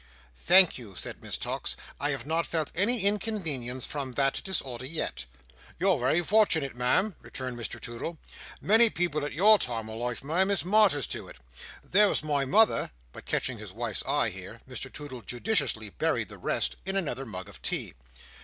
"Thank you," said Miss Tox. "I have not felt any inconvenience from that disorder yet." "You're wery fortunate, Ma'am," returned Mr Toodle. "Many people at your time of life, Ma'am, is martyrs to it. There was my mother—" But catching his wife's eye here, Mr Toodle judiciously buried the rest in another mug of tea.